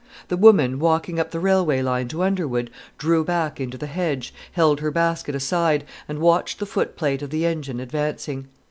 A woman, walking up the railway line to Underwood, drew back into the hedge, held her basket aside, and watched the footplate of the engine advancing.